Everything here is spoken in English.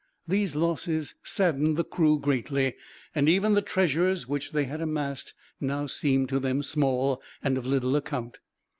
These losses saddened the crew greatly, and even the treasures which they had amassed now seemed to them small, and of little account.